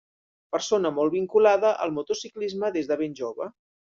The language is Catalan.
Persona molt vinculada al motociclisme des de ben jove.